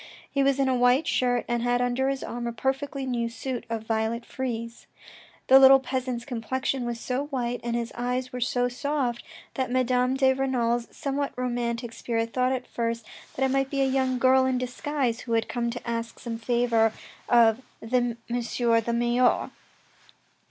He was in a white shirt and had under his arm a perfectly new suit of violet frieze. The little peasant's complexion was so white and his eyes were so soft, that Madame de Renal's somewhat romantic spirit thought at first that it might be a young girl in disguise, who had come to ask some favour of the M. the Mayor.